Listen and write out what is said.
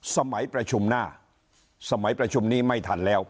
สมัยประชุมหน้าสมัยประชุมนี้ไม่ทันแล้ว